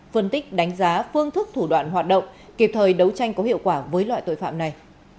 phân tích đánh giá phương thức thủ đoạn hoạt động kịp thời đấu tranh có hiệu quả với loại tội phạm này